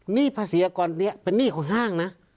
หนี้ภาษีอากรนี้เป็นหนี้ของห้างนะ